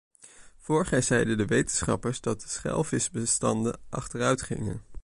Vorig jaar zeiden de wetenschappers dat de schelvisbestanden achteruitgingen.